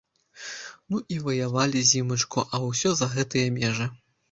Ну і ваявалі зімачку, а ўсё за гэтыя межы!